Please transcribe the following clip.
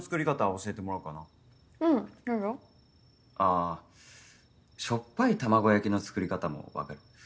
あしょっぱい卵焼きの作り方も分かる？